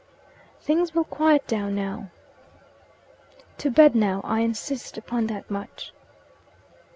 "Things will quiet down now." "To bed now; I insist upon that much."